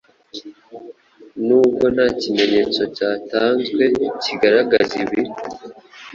nubwo nta kimenyeto cyatanzwe kigaragaza ibi